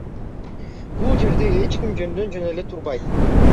Бул жерде эч ким жөндөн жөн эле турбайт.